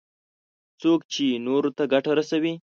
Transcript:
څوک چې نورو ته ګټه رسوي.